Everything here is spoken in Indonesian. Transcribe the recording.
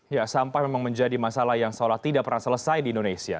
ya sampah memang menjadi masalah yang seolah tidak pernah selesai di indonesia